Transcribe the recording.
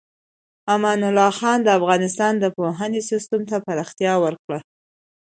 امان الله خان د افغانستان د پوهنې سیستم ته پراختیا ورکړه.